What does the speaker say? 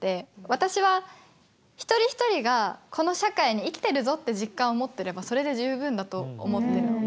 私は一人一人がこの社会に生きてるぞって実感を持ってればそれで十分だと思ってるの。